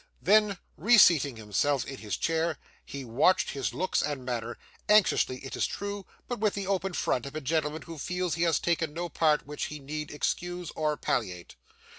Then reseating himself in his chair, he watched his looks and manner: anxiously, it is true, but with the open front of a gentleman who feels he has taken no part which he need excuse or palliate.